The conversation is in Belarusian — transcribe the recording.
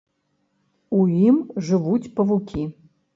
У ім жывуць павукі.